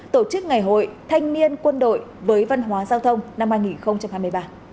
tổ chức ngày hội thanh niên quân đội với văn hóa giao thông năm hai nghìn hai mươi ba